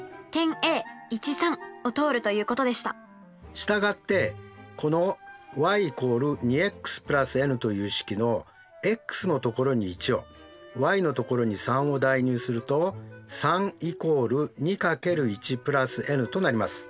したがってこのｙ＝２ｘ＋ｎという式のｘのところに１をｙのところに３を代入すると３＝２×１＋ｎとなります。